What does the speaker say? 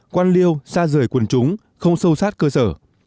quan liêu xa rời quần chúng không sâu sát cơ sở